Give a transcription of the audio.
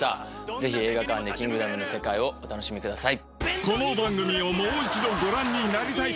ぜひ映画館で『キングダム』の世界をお楽しみください。